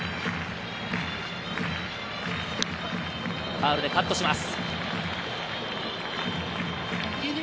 ファウルでカットします。